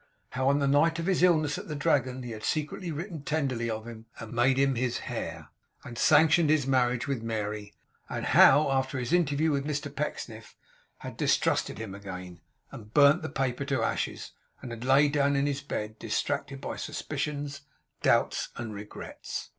How on the night of his illness at the Dragon, he had secretly written tenderly of him, and made him his heir, and sanctioned his marriage with Mary; and how, after his interview with Mr Pecksniff, he had distrusted him again, and burnt the paper to ashes, and had lain down in his bed distracted by suspicions, doubts, and regrets.